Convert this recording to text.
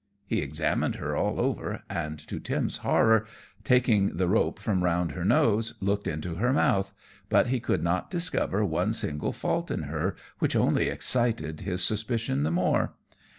He examined her all over; and, to Tim's horror, taking the rope from round her nose, looked into her mouth, but he could not discover one single fault in her, which only excited his suspicion the more.